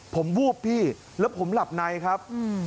ผมวูบพี่แล้วผมหลับในครับ